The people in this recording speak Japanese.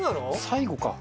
最後か。